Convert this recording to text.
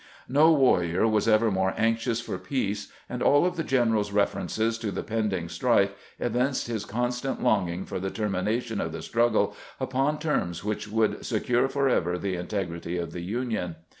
No warrior was ever more anxious for peace, and ah of the general's references to the pending strife evinced his constant longing for the termination of the struggle upon terms which would secure forever the integrity of the Union.